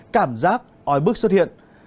cảm giác oi bức xuất hiện